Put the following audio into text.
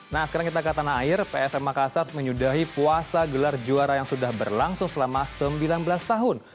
nah sekarang kita ke tanah air psm makassar menyudahi puasa gelar juara yang sudah berlangsung selama sembilan belas tahun